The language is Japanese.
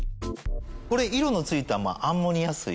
これ色のついたアンモニア水。